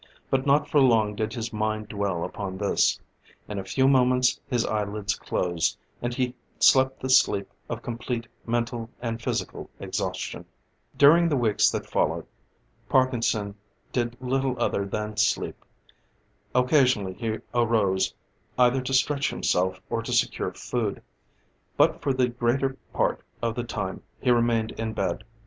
But not for long did his mind dwell upon this; in a few moments his eyelids closed, and he slept the sleep of complete mental and physical exhaustion. Daring the weeks that followed, Parkinson did little other than sleep. Occasionally he arose, either to stretch himself, or to secure food, but for the greater part of the time he remained in bed.